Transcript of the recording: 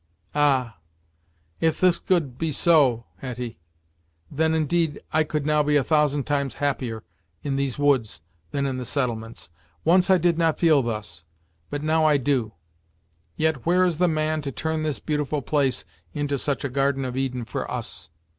"Ah! if this could be so, Hetty, then, indeed, I could now be a thousand times happier in these woods, than in the settlements. Once I did not feel thus, but now I do. Yet where is the man to turn this beautiful place into such a garden of Eden for us?"